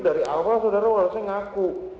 dari awal saudara harusnya ngaku